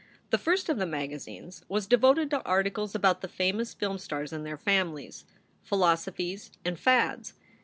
The first of the magazines was devoted to articles about the famous film stars and their families, philosophies, and fads.